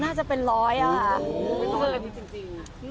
น่าจะเป็นร้อยอะค่ะ